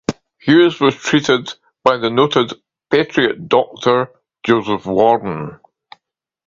Hewes was treated by the noted Patriot doctor, Joseph Warren.